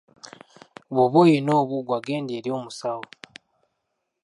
Bw’oba olina obubwa genda eri omusawo.